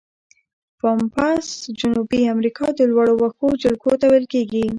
پامپاس د جنوبي امریکا د لوړو وښو جلګو ته ویل کیږي.